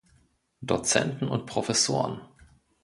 Dozenten und Professoren